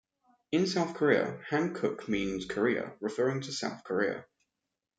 In South Korea, "Hankook" means "Korea", referring to "South Korea".